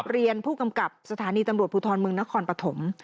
เรียนผู้กำกับสถานีตำรวจภูทรเมืองนครปฐม